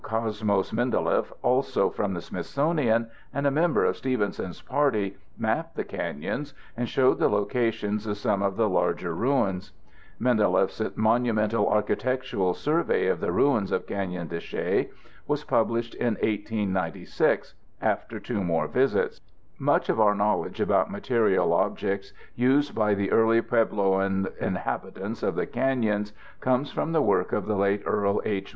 ] Later in 1882, Cosmos Mindeleff, also from the Smithsonian and a member of Stevenson's party, mapped the canyons and showed the locations of some of the larger ruins. Mindeleff's monumental architectural survey of the ruins of Canyon de Chelly was published in 1896, after two more visits. Much of our knowledge about material objects used by the early Puebloan inhabitants of the canyons comes from the work of the late Earl H.